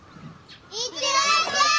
行ってらっしゃい！